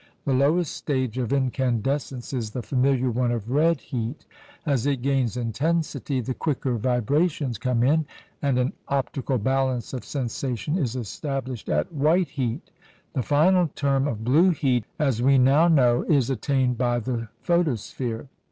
The lowest stage of incandescence is the familiar one of red heat. As it gains intensity, the quicker vibrations come in, and an optical balance of sensation is established at white heat. The final term of blue heat, as we now know, is attained by the photosphere.